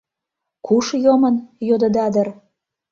Куш йомын? — йодыда дыр.